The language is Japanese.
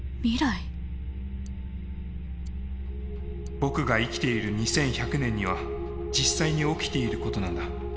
僕が生きている２１００年には実際に起きていることなんだ。